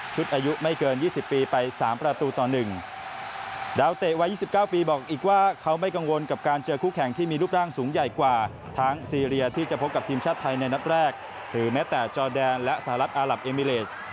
ชุดอายุไม่เกิน๒๐ปีไป๓ประตูต่อหนึ่ง